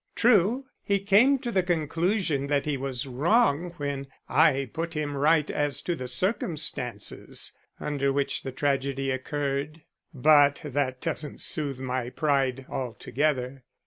True, he came to the conclusion that he was wrong when I put him right as to the circumstances under which the tragedy occurred, but that doesn't soothe my pride altogether.